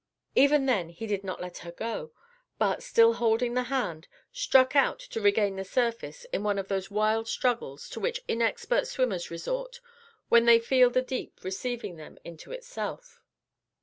Even then he did not let go, but, still holding the hand, struck out to regain the surface in one of those wild struggles to which inexpert swimmers resort when they feel the deep receiving them into itself.